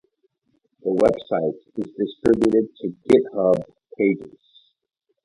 The website is distributed to GitHub pages